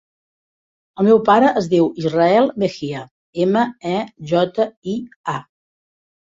El meu pare es diu Israel Mejia: ema, e, jota, i, a.